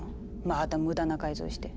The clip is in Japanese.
また無駄な改造して。